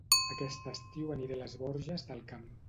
Aquest estiu aniré a Les Borges del Camp